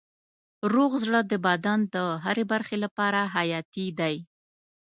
روغ زړه د بدن د هرې برخې لپاره حیاتي دی.